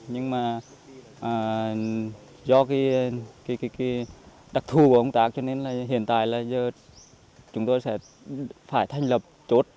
nhưng mà do cái đặc thù của công tác cho nên là hiện tại là giờ chúng tôi sẽ phải thành lập chốt